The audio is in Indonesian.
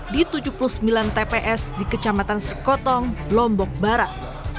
di tujuh puluh sembilan tps di kecamatan sekotong lombok barat